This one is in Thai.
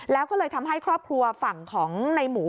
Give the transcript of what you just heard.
แล้วก็เลยทำให้ครอบครัวฝั่งของในหมู